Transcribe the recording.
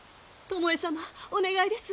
巴様お願いです。